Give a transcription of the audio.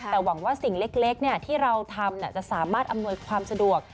แต่หวังว่าสิ่งเล็กที่เราทำจะสามารถอำนวยความสะดวก